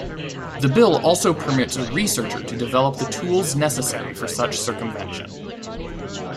The bill also permits a researcher to develop the tools necessary for such circumvention.